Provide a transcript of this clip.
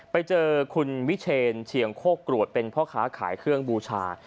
ไปเจอคุณวิเชนเชียงโคกรวดเป็นพ่อค้าขายเครื่องบูชา